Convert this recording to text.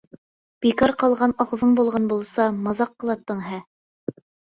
-بىكار قالغان ئاغزىڭ بولغان بولسا مازاق قىلاتتىڭ ھە.